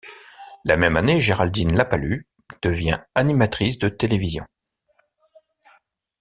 La même année, Géraldine Lapalus devient animatrice de télévision.